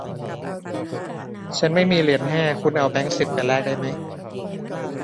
ฉันไม่มีเหรียญห้า คุณเอาแบงค์สิบไปแลกได้ไหม